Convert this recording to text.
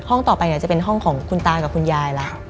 ต่อไปจะเป็นห้องของคุณตากับคุณยายละ